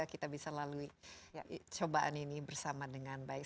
kita bisa lalui cobaan ini bersama dengan baik